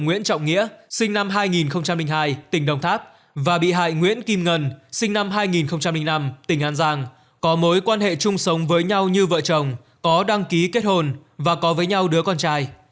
nguyễn trọng nghĩa sinh năm hai nghìn hai tỉnh đồng tháp và bị hại nguyễn kim ngân sinh năm hai nghìn năm tỉnh an giang có mối quan hệ chung sống với nhau như vợ chồng có đăng ký kết hồn và có với nhau đứa con trai